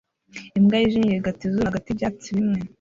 imbwa yijimye irigata izuru hagati yibyatsi bimwe